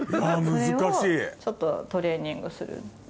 それをちょっとトレーニングする。